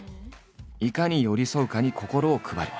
いかに寄り添うかに心を配る。